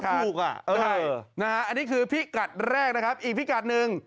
อันนี้คือพี่กัดแรกนะครับอีกพี่กัดหนึ่ง